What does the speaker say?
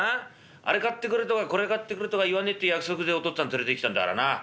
あれ買ってくれとかこれ買ってくれとか言わねえって約束でお父っつぁん連れてきたんだからな。